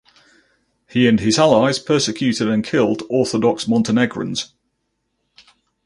He and his allies persecuted and killed Orthodox Montenegrins.